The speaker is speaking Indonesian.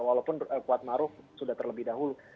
walaupun kuatmaru sudah terlebih dahulu